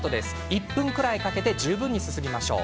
１分くらいかけて十分にすすぎましょう。